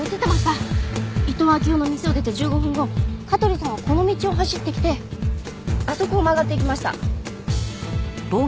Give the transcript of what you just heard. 伊東暁代の店を出て１５分後香取さんはこの道を走ってきてあそこを曲がっていきました。